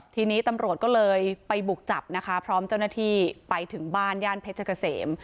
ทีนี้ตำรวจก็เลยไปบุกจับนะคะพร้อมเจ้าหน้าที่ไปถึงบ้านย่านเพชรเกษม